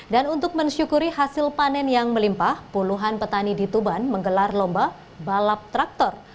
dan untuk mensyukuri hasil panen yang melimpah puluhan petani di tuban menggelar lomba balap traktor